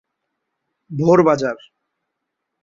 ভোর বাজার।